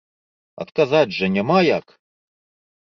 Адказаць жа няма як!